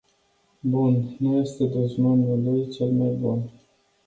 Bun nu este dușmanul lui cel mai bun.